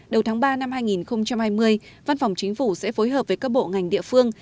đầu tháng ba năm hai nghìn hai mươi văn phòng chính phủ sẽ phối hợp với các bộ ngành địa phương